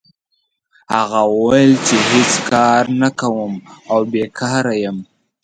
هغه وویل چې هېڅ کار نه کوم او بیکاره یم.